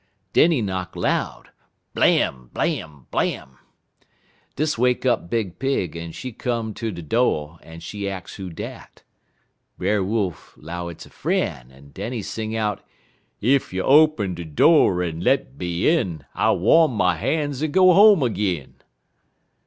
Den he knock loud blam! blam! blam! Dis wake up Big Pig, en she come ter de do', en she ax who dat. Brer Wolf 'low it's a fr'en', en den he sing out: "'_Ef you'll open de do' en let me in, I'll wom my han's en go home ag'in.